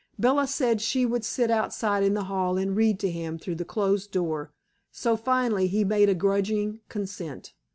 Bella said she would sit outside in the hall and read to him through the closed door, so finally he gave a grudging consent.